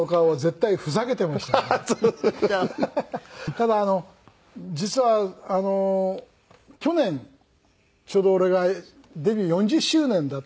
ただ実は去年ちょうど俺がデビュー４０周年だったんです。